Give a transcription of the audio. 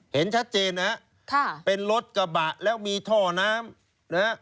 เห็นชัดเจนนะครับเป็นรถกระบะแล้วมีท่อน้ำ